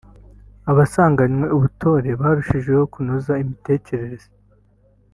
abasanganywe ubutore barushijeho kunoza imitekerereze